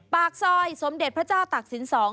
ปากซอยสมเด็จพระเจ้าตักศิลป์๒